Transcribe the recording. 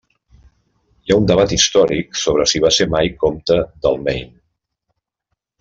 Hi ha un debat històric sobre si va ser mai comte del Maine.